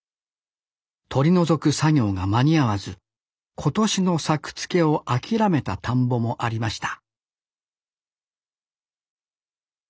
取り除く作業が間に合わず今年の作付けを諦めた田んぼもありました